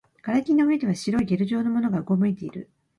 瓦礫の上では白いゲル状のものがうごめいている